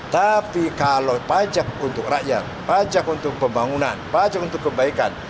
tapi kalau pajak untuk rakyat pajak untuk pembangunan pajak untuk kebaikan